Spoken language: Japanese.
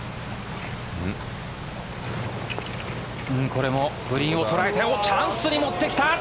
これもグリーンを捉えてチャンスにもってきた。